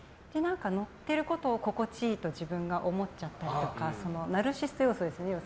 乗ってることを心地いいと自分が思っちゃったりとかナルシスト要素ですよね。